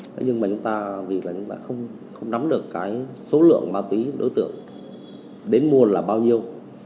chúng ta vì là chúng ta không nắm được cái số lượng ma túy đối tượng đến mùa là bao nhiêu